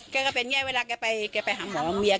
แก่ไปอย่างเงี้ย